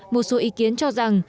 một số ý kiến cho rằng